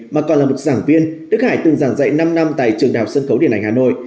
mà còn là một giảng viên đức hải từng giảng dạy năm năm tại trường đào sân khấu điện ảnh hà nội